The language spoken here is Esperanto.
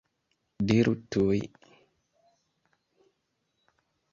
Diru tuj!